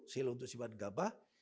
selu untuk simpan gabah